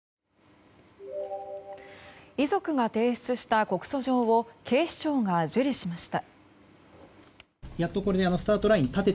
遺族が提出した告訴状を警視庁が受理しました。